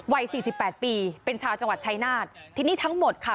วัยสี่สิบแปดปีเป็นชาวจังหวัดชายนาฏที่นี่ทั้งหมดค่ะ